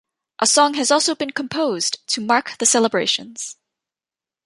A song has also been composed to mark the celebrations.